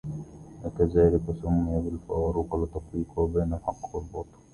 وكذلك سمى “بالفاروق” لتفريقه بين الحق والباطل.